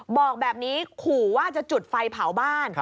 บอกแบบนี้ขู่ว่าจะจุดไฟเผาบ้าน